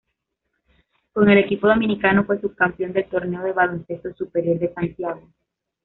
Con el equipo dominicano fue subcampeón del Torneo de Baloncesto Superior de Santiago.